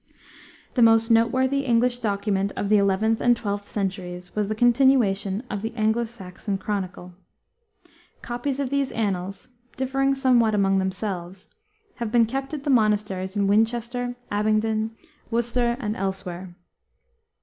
The most noteworthy English document of the 11th and 12th centuries was the continuation of the Anglo Saxon chronicle. Copies of these annals, differing somewhat among themselves, had been kept at the monasteries in Winchester, Abingdon, Worcester, and elsewhere.